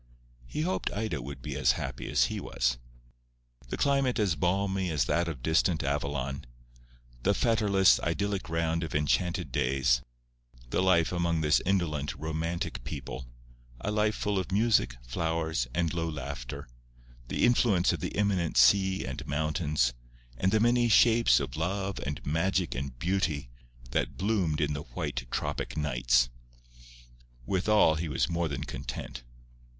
He hoped Ida would be as happy as he was. The climate as balmy as that of distant Avalon; the fetterless, idyllic round of enchanted days; the life among this indolent, romantic people—a life full of music, flowers, and low laughter; the influence of the imminent sea and mountains, and the many shapes of love and magic and beauty that bloomed in the white tropic nights—with all he was more than content.